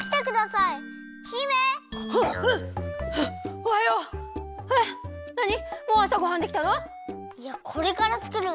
いやこれからつくるんです。